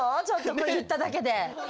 ちょっとこれ言っただけで。